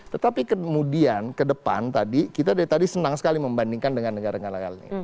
tetapi kemudian ke depan tadi kita dari tadi senang sekali membandingkan dengan negara negara lain